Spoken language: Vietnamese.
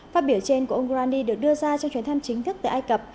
phát biểu trên của ông grandi được đưa ra trong truyền thăm chính thức tới ai cập